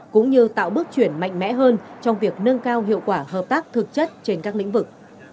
cũng như tạo bước chuyển mạnh mẽ hơn trong việc nâng cao hiệu quả hợp tác thực chất trên các lĩnh vực